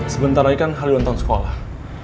sebentar lagi kan hari lontong sekolah